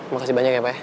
makasih banyak ya pak ya